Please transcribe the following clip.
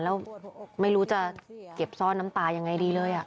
แล้วไม่รู้จะเก็บซ่อนน้ำตายังไงดีเลย